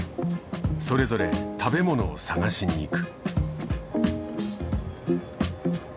それぞれ食べ物を探しに行く。